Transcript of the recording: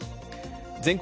全国